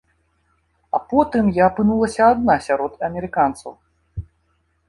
А потым я апынулася адна сярод амерыканцаў.